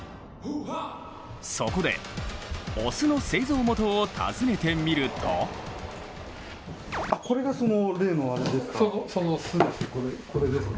そこで、お酢の製造元を訪ねてみるとこれがその、例のあれですか？